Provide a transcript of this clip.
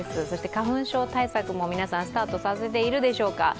そして花粉症対策も皆さん、スタートさせているでしょうか。